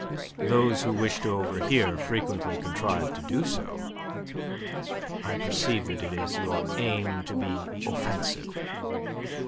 "Those who wish to overhear frequently contrive to do so." "I perceive that it is your aim to be offensive."